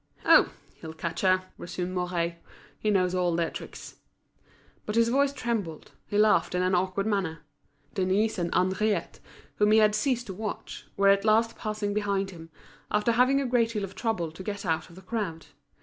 "Oh! he'll catch her!" resumed Mouret; "he knows all their tricks." But his voice trembled, he laughed in an awkward manner. Denise and Henriette, whom he had ceased to watch, were at last passing behind him, after having had a great deal of trouble to get out of the crowd.